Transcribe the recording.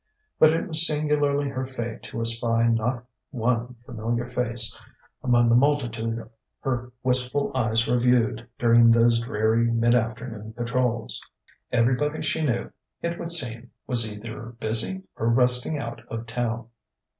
But it was singularly her fate to espy not one familiar face among the multitude her wistful eyes reviewed during those dreary mid afternoon patrols. Everybody she knew, it would seem, was either busy or resting out of town.